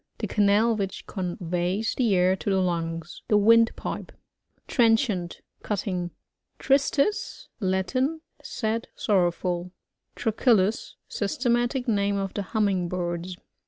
The canal which conveys \ the air to the lungs. The windpipe. Trenchant. — Cutting. Tristis. — Latin. Sad, sorrowful. Trochilus. — Systematic name of the Humming birds.